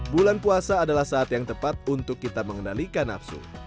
bulan puasa adalah saat yang tepat untuk kita mengendalikan nafsu